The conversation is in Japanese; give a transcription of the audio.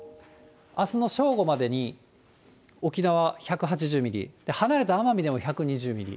あすの正午までに沖縄１８０ミリ、離れた奄美でも１２０ミリ。